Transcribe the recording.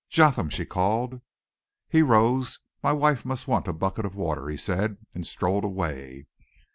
"Jotham!" she called. He rose. "My wife must want a bucket of water," he said, and strolled away.